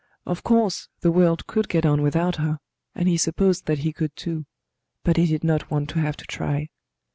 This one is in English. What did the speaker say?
Of course the world could get on without her, and he supposed that he could too; but he did not want to have to try.